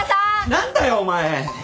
何だよお前！